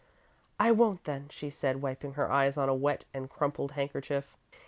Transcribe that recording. "I won't, then," she said, wiping her eyes on a wet and crumpled handkerchief.